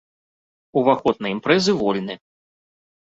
Уваход на імпрэзы вольны.